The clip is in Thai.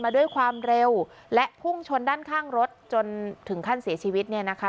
ด้วยความเร็วและพุ่งชนด้านข้างรถจนถึงขั้นเสียชีวิตเนี่ยนะคะ